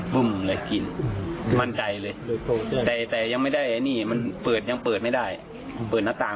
หรือไม่ก็อาจจะเกิดจากการหัวใจวายเพื่อนหน่อยนะฮะ